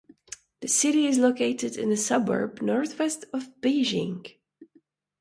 The city is located in a suburb northwest of Beijing.